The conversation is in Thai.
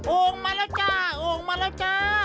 โอ่งมาแล้วจ้าโอ่งมาแล้วจ้า